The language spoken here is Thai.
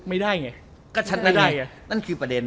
ไม่ได้ไงก็ชัดได้ไง